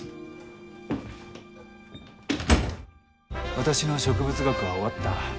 私の植物学は終わった。